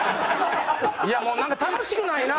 いやもうなんか楽しくないな！